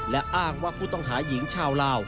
และอ้างว่าผู้ต้องหาหญิงชาวลาว